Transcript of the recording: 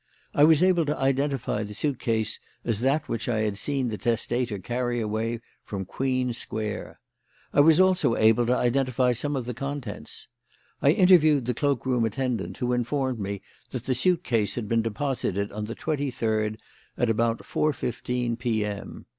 I was able to identify the suit case as that which I had seen the testator carry away from Queen Square. I was also able to identify some of the contents. I interviewed the cloak room attendant, who informed me that the suit case had been deposited on the twenty third at about 4.15 P.M.